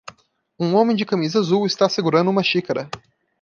Um homem de camisa azul está segurando uma xícara